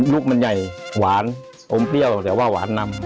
ลูกมันใหญ่หวานอมเปรี้ยวแต่ว่าหวานนำ